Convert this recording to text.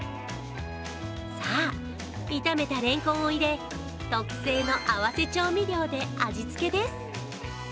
さあ、炒めたれんこんを入れ、特製のあわせ調味料で味つけです。